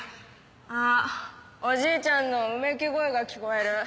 あっおじいちゃんのうめき声が聞こえる。